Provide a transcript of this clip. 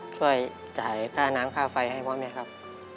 ช่วยจ่ายค่าน้ำค่าไฟให้พ่อแม่ครับ